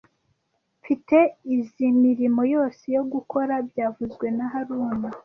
Mfite izoi mirimo yose yo gukora byavuzwe na haruna